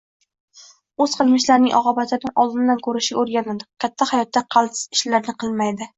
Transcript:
o‘z qilmishlarining oqibatini oldindan ko‘rishga o‘rganadi – katta hayotida qaltis ishlarni qilmaydi;